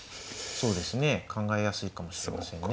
そうですね考えやすいかもしれませんね。